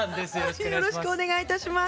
よろしくお願いします。